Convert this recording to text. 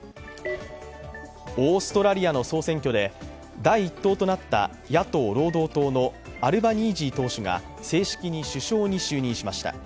オーストラリアの総選挙で第１党となった野党・労働党のアルバニージー党首が正式に首相に就任しました。